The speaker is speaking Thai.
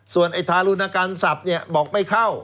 ส่วนไอ้ทารุณกรรมศัพท์เนี่ยบอกไม่เข้า